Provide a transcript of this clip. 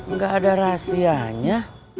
nggak ada rahasianya